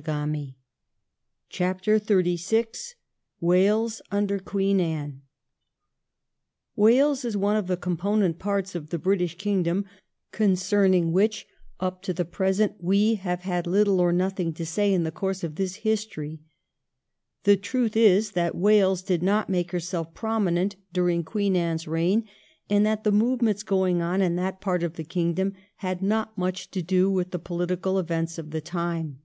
315 CHAPTER XXXVI WALES UNDER QUEEN ANNE Wales is one of the component parts of the British Kingdom concerning which, up to the present, we have had little or nothing to say in the course of this history. The truth is that Wales did not make herself prominent during Queen Anne's reign, and that the movements going on in that part of the kingdom had not much to do with the political events of the time.